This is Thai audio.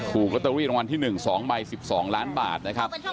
ถูกลอตเตอรี่รางวัลที่๑๒ใบ๑๒ล้านบาทนะครับ